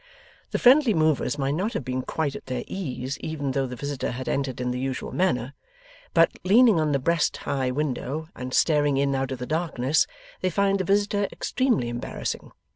The friendly movers might not have been quite at their ease, even though the visitor had entered in the usual manner. But, leaning on the breast high window, and staring in out of the darkness, they find the visitor extremely embarrassing.